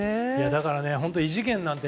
だから異次元なんて。